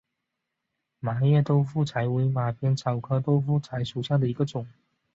麻叶豆腐柴为马鞭草科豆腐柴属下的一个种。